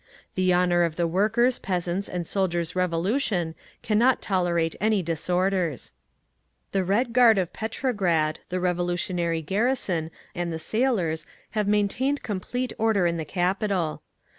The honour of the workers', peasants' and soldiers' Revolution cannot tolerate any disorders…. "The Red Guard of Petrograd, the revolutionary garrison and the sailors have maintained complete order in the capital.